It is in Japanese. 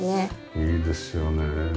いいですよね。